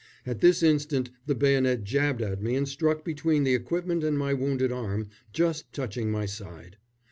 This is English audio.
At this instant the bayonet jabbed at me and struck between the equipment and my wounded arm, just touching my side.